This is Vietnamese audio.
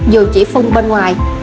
dù chỉ phun bên ngoài